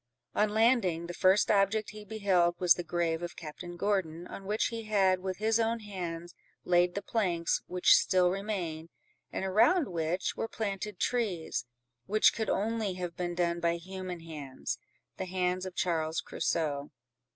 On landing, the first object he beheld was the grave of Captain Gordon, on which he had, with his own hands, laid the planks which still remained, and around which were planted trees, which could only have been done by human hands—the hands of Charles Crusoe.